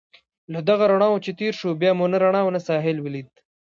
له دغو رڼاوو چې تېر شوو، بیا مو نه رڼا او نه ساحل ولید.